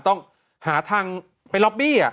ต้องหาทางไปล็อบบี้